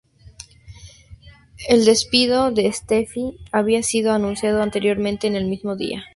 El despido de Stepney había sido anunciado anteriormente el mismo día.